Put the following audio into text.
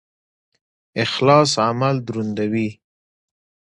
اخلاص عمل دروندوي